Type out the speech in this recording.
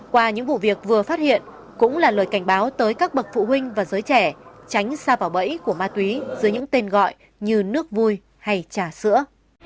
qua những vụ việc vừa phát hiện cũng là lời cảnh báo tới các bậc phụ huynh và giới trẻ tránh xa vào bẫy của ma túy dưới những tên gọi như nước vui hay trà sữa